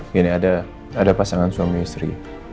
gini ada pasangan suami istri